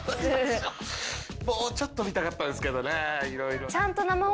もうちょっと見たかったですけどね色々。